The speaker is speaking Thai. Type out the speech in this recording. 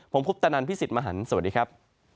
ผมพุทธนันทร์พี่สิทธิ์มหันธ์สวัสดีครับ